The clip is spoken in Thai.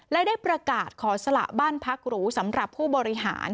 และได้ประกาศขอสละบ้านพักหรูสำหรับผู้บริหาร